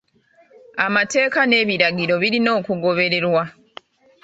Amateeka n'ebiragiro birina okugobererwa.